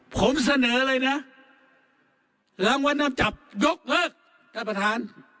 ผมเสนอเลยนะรางวัลนำจับยกเลิกท่านประธาน